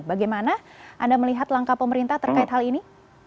bagaimana anda melihat langkah pemerintah terkait hal ini